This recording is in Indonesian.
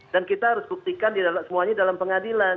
dan kita harus buktikan semuanya di dalam pengadilan